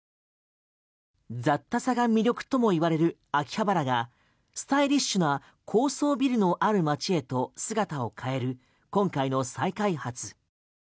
雑多さが魅力ともいわれる秋葉原がスタイリッシュな高層ビルのある街へと姿を変える今回の再開発。